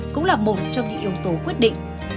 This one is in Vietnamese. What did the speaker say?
cũng là một trong những yếu tố quyết định